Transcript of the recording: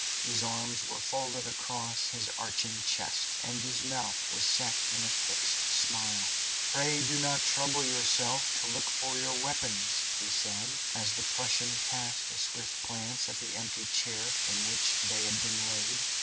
His arms were folded across his arching chest, and his mouth was set in a fixed smile. "Pray do not trouble yourself to look for your weapons," he said, as the Prussian cast a swift glance at the empty chair in which they had been laid.